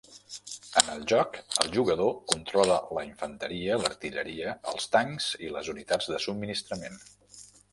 En el joc, el jugador controla la infanteria, l'artilleria, els tancs i les unitats de subministrament.